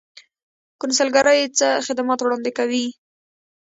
کونسلګرۍ څه خدمات وړاندې کوي؟